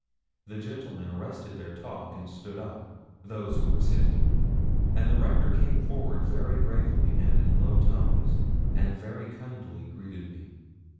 The gentlemen arrested their talk and stood up, those who were sitting, and the Rector came forward very gravely, and in low tones, and very kindly, greeted me.